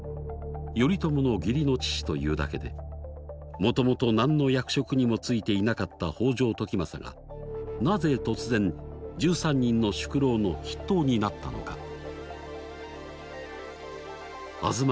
頼朝の義理の父というだけでもともと何の役職にも就いていなかった北条時政がなぜ突然１３人の宿老の筆頭になったのか。